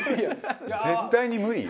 「絶対に無理」？